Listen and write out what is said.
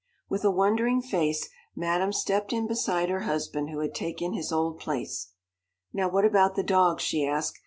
With a wondering face, Madame stepped in beside her husband who had taken his old place. "Now what about the dogs?" she asked.